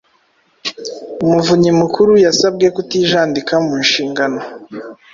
Umuvunyi Mukuru yasabwe kutijandika mu nshingano